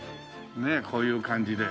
ねえこういう感じで。